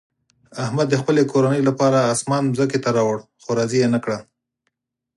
احمد د خپلې کورنۍ لپاره اسمان ځمکې ته راوړ، خو راضي یې نه کړه.